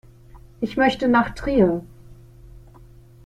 Ich möchte nach Trier